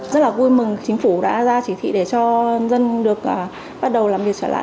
rất là vui mừng chính phủ đã ra chỉ thị để cho dân được bắt đầu làm việc trở lại